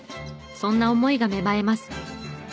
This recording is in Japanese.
そんな思いが芽生えます。